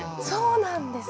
そうなんですか？